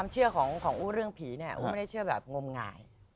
เชื่อของอู้เรื่องผีเนี่ยอู้ไม่ได้เชื่อแบบงมงาย